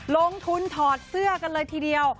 ถอดเสื้อกันเลยทีเดียว